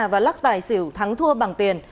và lắc tài xỉu thắng thua bằng tiền